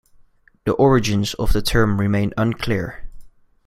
The origins of the term remain unclear.